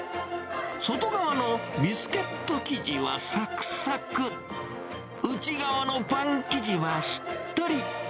外側のビスケット生地はさくさく、内側のパン生地はしっとり。